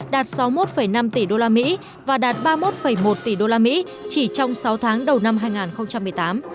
đạt sáu mươi một năm tỷ usd và đạt ba mươi một một tỷ usd chỉ trong sáu tháng đầu năm hai nghìn một mươi tám